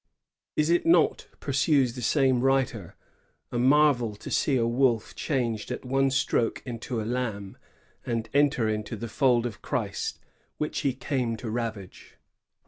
*'Is it not," pursues the same writer, "a marvel to see a wolf changed at one stroke into a lamb, and enter into the fold of Christ, which he came to ravage?"